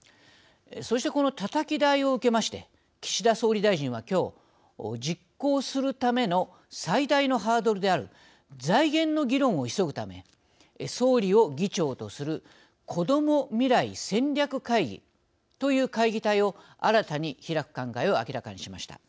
そしてこのたたき台を受けまして岸田総理大臣は今日実行するための最大のハードルである財源の議論を急ぐため総理を議長とするこども未来戦略会議という会議体を新たに開く考えを明らかにしました。